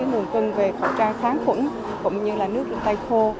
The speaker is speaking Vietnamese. nguồn cưng về khẩu trang kháng khuẩn cũng như nước tay khô